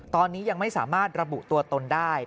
ตอนนี้ยังไม่สามารถระบุตัวตนได้